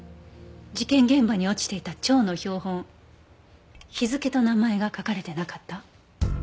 事件現場に落ちていた蝶の標本日付と名前が書かれてなかった？